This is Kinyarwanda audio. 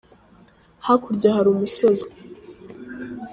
hakurya hari umusozi.